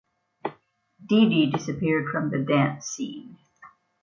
Dee Dee disappeared from the dance scene.